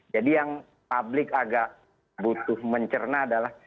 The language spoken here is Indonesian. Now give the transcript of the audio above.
yang publik agak butuh mencerna adalah